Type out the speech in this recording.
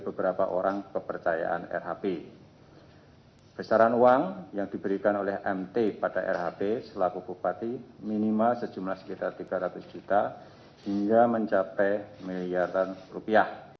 pembangunan gas house ini dilakukan oleh bupati membramo tengah riki hampagawai